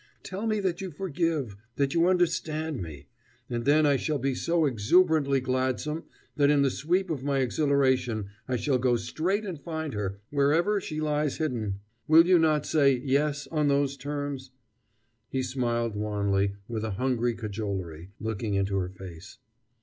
Tell me that you forgive, that you understand me! and then I shall be so exuberantly gladsome that in the sweep of my exhilaration I shall go straight and find her, wherever she lies hidden.... Will you not say 'yes' on those terms?" He smiled wanly, with a hungry cajolery, looking into her face.